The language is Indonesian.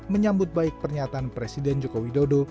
menyambut baik pernyataan presiden joko widodo